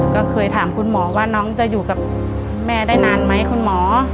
ก็เคยถามคุณหมอว่าน้องจะอยู่กับแม่ได้นานไหมคุณหมอ